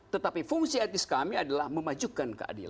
tetapi fungsi etnis kami adalah memajukan keadilan